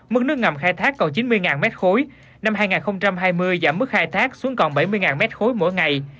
mức nước ngầm khai thác còn chín mươi m ba năm hai nghìn hai mươi giảm mức khai thác xuống còn bảy mươi m ba mỗi ngày